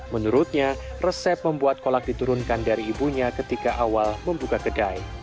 menurutnya resep membuat kolak diturunkan dari ibunya ketika awal membuka kedai